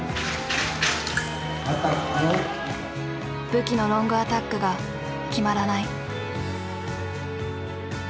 武器のロングアタックが決まらない。